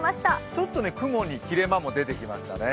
ちょっと雲に切れ間も出てきましたね。